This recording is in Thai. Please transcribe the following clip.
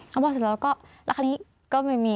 ก็บอกเสร็จแล้วก็ราคานี้ก็ไม่มี